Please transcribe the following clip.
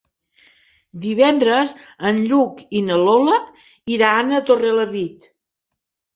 Divendres en Lluc i na Lola iran a Torrelavit.